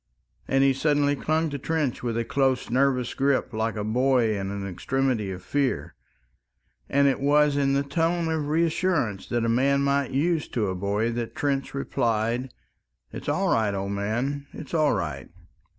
And he suddenly clung to Trench with a close, nervous grip, like a boy in an extremity of fear. And it was in the tone of reassurance that a man might use to a boy that Trench replied, "It's all right, old man, it's all right."